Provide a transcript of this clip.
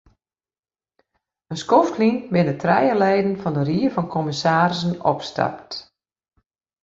In skoft lyn binne trije leden fan de ried fan kommissarissen opstapt.